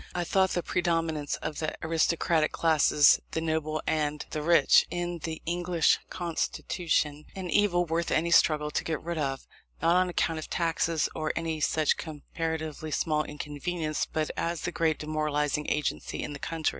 I thought the predominance of the aristocratic classes, the noble and the rich, in the English constitution, an evil worth any struggle to get rid of; not on account of taxes, or any such comparatively small inconvenience, but as the great demoralizing agency in the country.